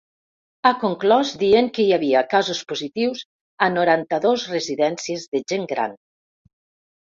Ha conclòs dient que hi havia casos positius a noranta-dos residències de gent gran.